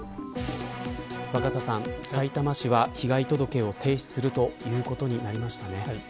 若狭さん、さいたま市は被害届を提出するということになりましたね。